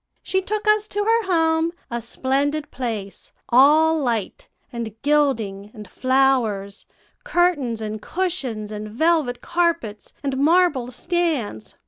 She took us to her home, a splendid place, all light, and gilding, and flowers, curtains, and cushions, and velvet carpets, and marble stands.